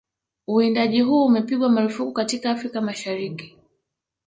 Uwindaji huu umepigwa marufuku katika Afrika Mashariki